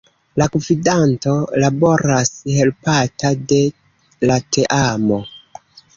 La Gvidanto laboras helpata de la Teamo.